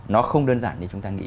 nó không đơn giản như chúng ta nghĩ